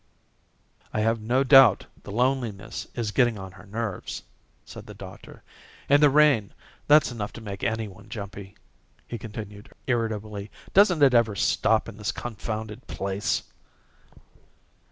"I have no doubt the loneliness is getting on her nerves," said the doctor. "And the rain that's enough to make anyone jumpy," he continued irritably. "Doesn't it ever stop in this confounded place?"